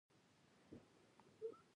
آیا د کجکي بند ظرفیت لوړ شوی دی؟